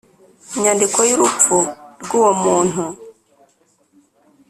Inyandiko y urupfu rw uwo muntu